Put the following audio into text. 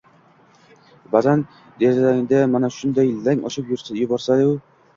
Ba’zan derazangni mana shunday lang ochib yuborasan-u